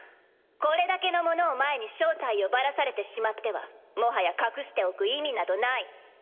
これだけの者を前に正体をバラされてしまってはもはや隠しておく意味などない。